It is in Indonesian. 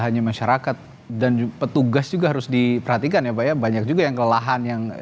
hanya masyarakat dan petugas juga harus diperhatikan ya pak ya banyak juga yang kelelahan yang